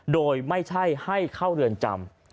โดยไม่ใช่ให้เข้าเรือนจำ